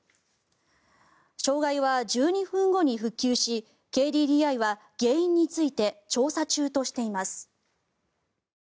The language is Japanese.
障害は１２分後に復旧しＫＤＤＩは原因について調査中としています。